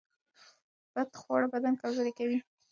بد خواړه بدن کمزوری کوي.